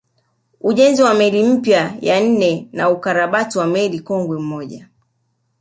Ujenzi wa meli mpya nne na ukarabati wa meli kongwe moja